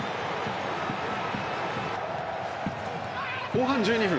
後半１２分。